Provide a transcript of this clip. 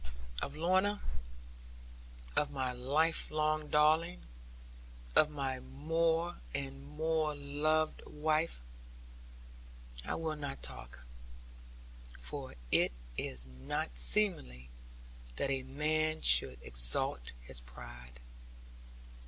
Of Lorna, of my lifelong darling, of my more and more loved wife, I will not talk; for it is not seemly that a man should exalt his pride.